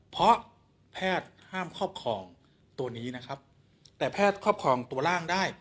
เพราะแพทย์ห้ามครอบครองตัวนี้นะครับแต่แพทย์ครอบครองตัวร่างได้